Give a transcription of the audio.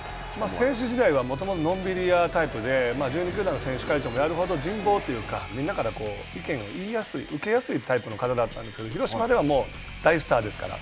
選手時代はもともとのんびり屋タイプで、１２球団の選手会長をやるほど人望というか、みんなから意見を受けやすいタイプの方だったんですけど、広島ではもう大スターですから。